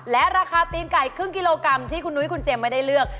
และราคาตีนไก่ครึ่งกิโลกรัมที่คุณนุ้ยคุณเจมส์ไม่ได้เลือก